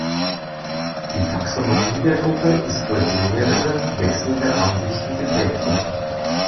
Die Taxonomie der Gruppe ist durch mehrere wechselnde Ansichten geprägt worden.